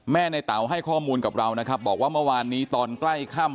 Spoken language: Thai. ในเต๋าให้ข้อมูลกับเรานะครับบอกว่าเมื่อวานนี้ตอนใกล้ค่ำ